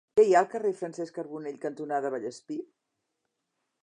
Què hi ha al carrer Francesc Carbonell cantonada Vallespir?